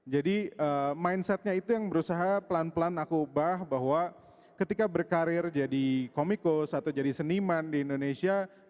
jadi mindsetnya itu yang berusaha pelan pelan aku ubah bahwa ketika berkarir jadi komikus atau jadi seniman di indonesia